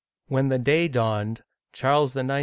When the day dawned, Charles IX.